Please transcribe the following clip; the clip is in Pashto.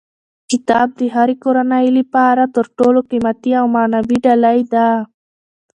کتاب د هرې کورنۍ لپاره تر ټولو قیمتي او معنوي ډالۍ ده.